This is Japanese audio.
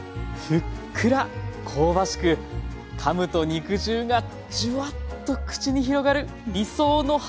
ふっくら香ばしくかむと肉汁がジュワッと口に広がる理想のハンバーグ。